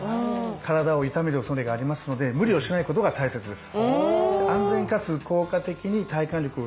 体を痛める恐れがありますので無理をしないことが大切です。